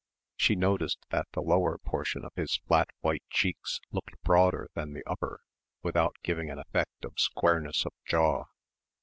She noticed that the lower portion of his flat white cheeks looked broader than the upper without giving an effect of squareness of jaw.